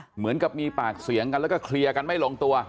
เหมือนกับมีปากเสียงกันแล้วก็เคลียร์กันไม่ลงตัว